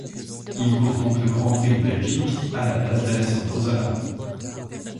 Il court donc le Grand Prix de Belgique à la place d'Alessandro Zanardi.